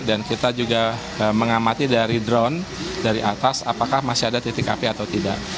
dan kita juga mengamati dari drone dari atas apakah masih ada titik api atau tidak